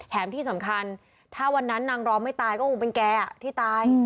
ที่สำคัญถ้าวันนั้นนางร้องไม่ตายก็คงเป็นแกที่ตาย